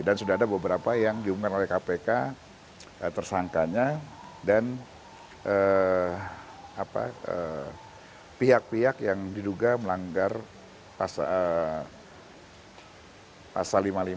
dan sudah ada beberapa yang diunggah oleh kpk tersangkanya dan pihak pihak yang diduga melanggar pasal lima puluh lima